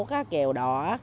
cá đuối đủ thứ hết rồi